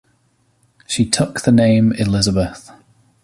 She took the name "Elizabeth".